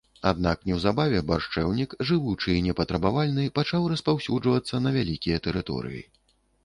Аднак неўзабаве баршчэўнік, жывучы і непатрабавальны, пачаў распаўсюджвацца на вялікія тэрыторыі.